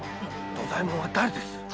土左衛門は誰です？